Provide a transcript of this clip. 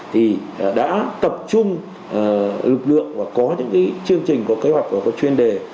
thì đã tập trung lực lượng và có những chương trình có kế hoạch và có chuyên đề